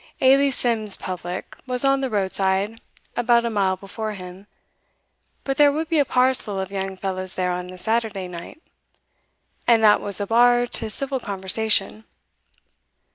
Ailie Sim's public was on the road side about a mile before him, but there would be a parcel of young fellows there on the Saturday night, and that was a bar to civil conversation.